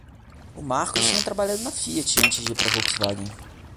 O Marcus tinha trabalhado na Fiat antes de ir para a Volkswagen.